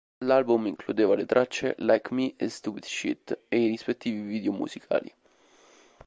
L'album includeva le tracce Like Me e Stupid Shit e i rispettivi video musicali.